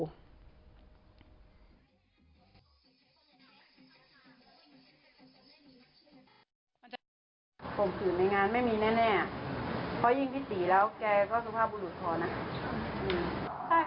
ผมคืนในงานไม่มีแน่อ่ะเพราะยิ่งพี่ตีแล้วแกก็สุภาพบุหรุดพอนะอืม